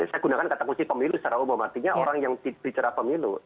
saya gunakan kata kunci pemilu secara umum artinya orang yang bicara pemilu